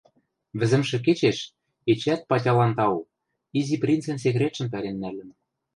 Вӹзӹмшӹ кечеш, эчеӓт патялан тау, Изи принцӹн секретшӹм пӓлен нӓльӹм.